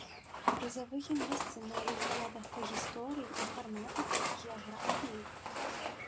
Прызавыя месцы на алімпіядах па гісторыі, інфарматыцы, геаграфіі!